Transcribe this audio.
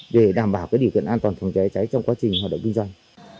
để đảm bảo điều kiện an toàn phòng cháy cháy trong quá trình hoạt động kinh doanh